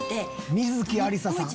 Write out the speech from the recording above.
観月ありささん？